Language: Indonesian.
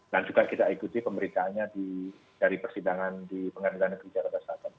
dan juga kita ikuti pemberitaannya dari persidangan di pengadilan negeri jakarta selatan